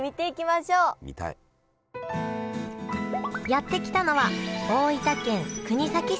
やって来たのは大分県国東市。